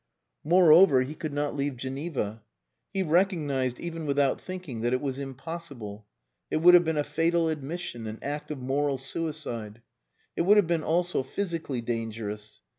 Moreover, he could not leave Geneva. He recognized, even without thinking, that it was impossible. It would have been a fatal admission, an act of moral suicide. It would have been also physically dangerous.